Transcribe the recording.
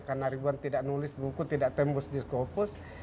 karena ribuan tidak nulis buku tidak tembus diskopus